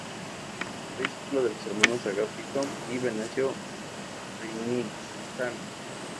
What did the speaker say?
Fue discípulo de los hermanos Agapito y Venancio Vallmitjana.